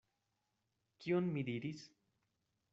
Kion mi diris?